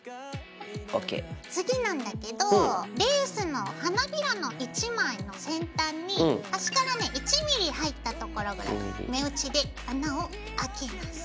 次なんだけどレースの花びらの１枚の先端に端からね１ｍｍ入ったところぐらい目打ちで穴を開けます。